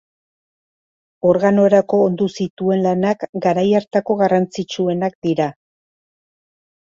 Organorako ondu zituen lanak garai hartako garrantzitsuenak dira.